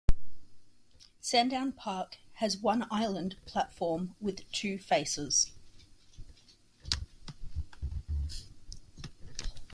Sandown Park has one island platform with two faces.